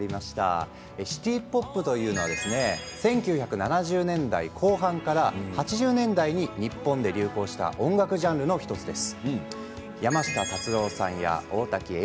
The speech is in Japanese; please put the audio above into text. シティ・ポップというのは１９７０年代後半から８０年代に日本で流行した音楽ジャンルの１つです。